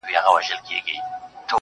• ميسج.